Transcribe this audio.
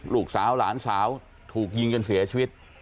หลานสาวถูกยิงจนเสียชีวิต